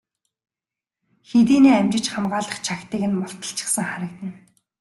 Хэдийнээ амжиж хамгаалах чагтыг нь мулталчихсан харагдана.